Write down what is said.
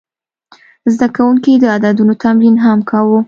زده کوونکي د عددونو تمرین هم کاوه.